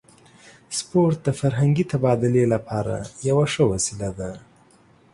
سپورت د فرهنګي تبادلې لپاره یوه ښه وسیله ده.